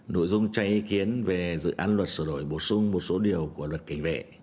nội dung cho ý kiến về dự án luật sửa đổi bổ sung một số điều của luật cảnh vệ